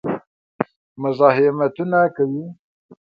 مزاحمتونه کوي.